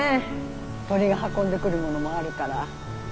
鳥が運んでくるものもあるから。